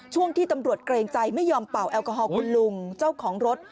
ช่วงที่ตำรวจเกรงใจไม่ยอมเป่าแอลกอฮอลคุณลุงเจ้าของรถ